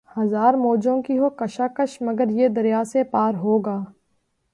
ہزار موجوں کی ہو کشاکش مگر یہ دریا سے پار ہوگا